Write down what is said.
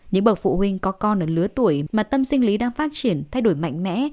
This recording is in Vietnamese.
những bậc phụ huynh có con ở lứa tuổi mà tâm sinh lý đang phát triển thay đổi mạnh mẽ